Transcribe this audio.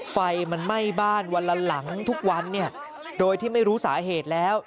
ไฟมันไหม้บ้านวันละหลังทุกวันเนี่ยโดยที่ไม่รู้สาเหตุแล้ว